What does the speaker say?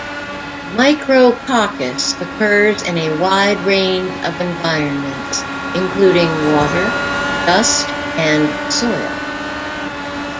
"Micrococcus" occurs in a wide range of environments, including water, dust, and soil.